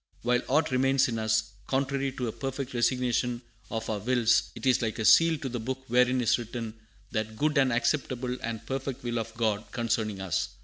"While aught remains in us contrary to a perfect resignation of our wills, it is like a seal to the book wherein is written 'that good and acceptable and perfect will of God' concerning us.